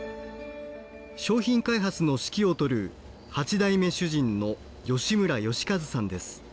商品開発の指揮を執る八代目主人の吉村良和さんです。